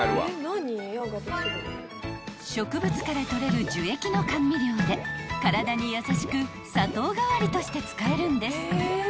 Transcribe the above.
［植物から採れる樹液の甘味料で体に優しく砂糖代わりとして使えるんです］